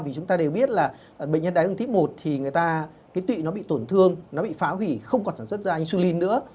vì chúng ta đều biết là bệnh nhân đáy ra đường tiếp một thì người ta cái tụy nó bị tổn thương nó bị phá hủy không còn sản xuất ra insulin nữa